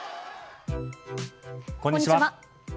こんにちは。